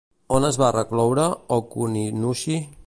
On es va recloure Ōkuninushi?